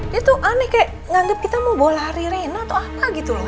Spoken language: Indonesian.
dia tuh aneh kayak nganggep kita mau bawa lari reno atau apa gitu loh